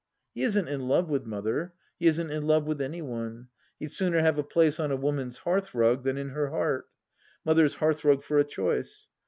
He isn't in love with Mother ; he isn't in love with any one. He'd sooner have a place on a woman's hearthrug than in her heart : Mother's hearthrug for choice.